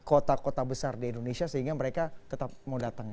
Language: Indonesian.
dan kota kota besar di indonesia sehingga mereka tetap mau datang